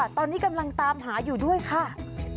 ตอนนี้กำลังตามหาอยู่ด้วยค่ะ